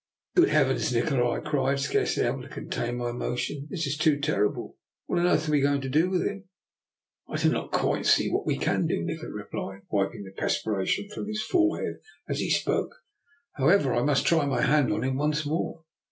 " Good Heavens, Nikola! " I cried, scarce ly able to contain my emotion, " this is too terrible! What on earth are we to do with him? "" I do not quite see what we can do," Nikola replied, wiping the perspiration from his forehead as he spoke. " However, I must try my hand on him once more.